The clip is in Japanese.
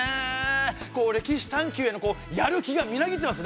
こう歴史探究へのやる気がみなぎってますね！